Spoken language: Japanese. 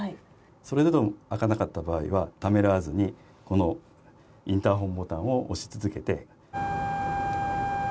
それでも開かなかった場合は、ためらわずにこのインターホンボタンを押し続けて。